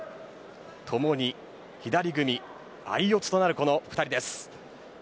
ともに左組み相四つとなるこの２人です。